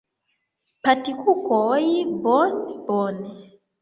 Patkukoj! Bone bone!